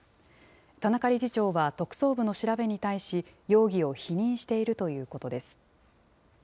田中理事長は特捜部の調べに対し、容疑を否認しているということです。